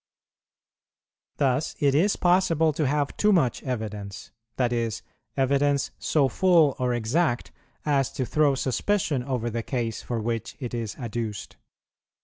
Thus it is possible to have too much evidence; that is, evidence so full or exact as to throw suspicion over the case for which it is adduced.